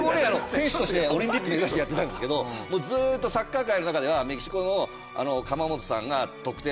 選手としてオリンピック目指してやってたんですけどずーっとサッカー界の中ではメキシコの釜本さんが得点王になって銅メダル。